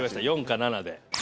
４か７で。